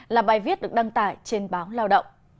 là bài viết được đăng tải trên báo lao động